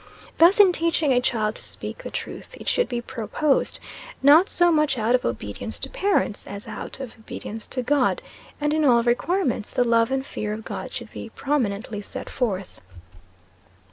Thus, in teaching a child to speak the truth, it should be proposed not so much out of obedience to parents, as out of obedience to God; and in all requirements the love and fear of God should be prominently set forth.